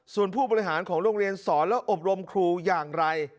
ส่วนผู้บริหารของโรงเรียนสอนและอบรมครูอย่างไร